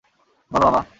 বল, বাবা!